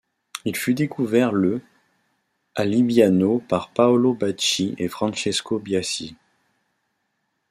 Il fut découvert le à Libbiano par Paolo Bacci et Francesco Biasci.